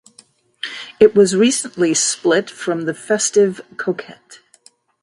It was recently split from the festive coquette.